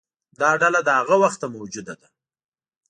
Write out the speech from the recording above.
دا ډله له هغه وخته موجوده ده.